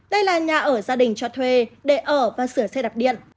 đây là nhà ở gia đình cho thuê để ở và sửa xe đạp điện